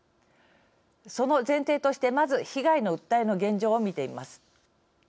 その前提として、まず被害の訴えの現状を見てみます。